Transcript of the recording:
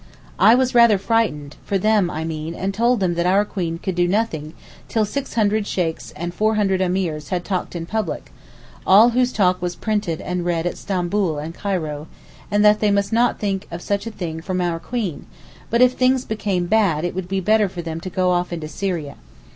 I was rather frightened—for them, I mean, and told them that our Queen could do nothing till 600 Sheykhs and 400 Ameers had talked in public—all whose talk was printed and read at Stambool and Cairo, and that they must not think of such a thing from our Queen, but if things became bad, it would be better for them to go off into Syria.